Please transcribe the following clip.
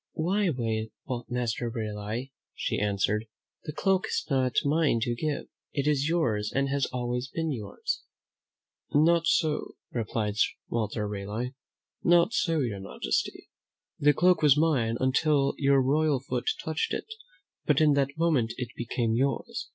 "Why, Master Raleigh," she answered, "the cloak is not mine to give; it is yours and has always been yours." "Not so," replied Walter Raleigh; "not so, your majesty. The cloak was mine until your royal foot touched it, but in that moment it became yours.